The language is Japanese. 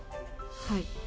はい。